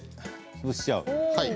潰しちゃう。